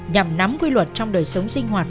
nhằm nắm quy luật trong đời sống sinh hoạt